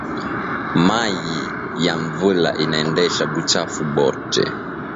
Mayi ya nvula inaendesha buchafu bote